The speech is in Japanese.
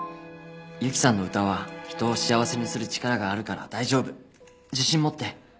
「ＹＵＫＩさんの歌は人を幸せにする力があるから大丈夫自信持って！」